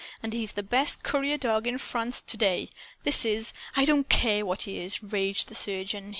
And he's the best courier dog in France to day. This is " "I don't care what he is!" raged the surgeon.